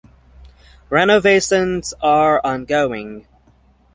Renovations are ongoing.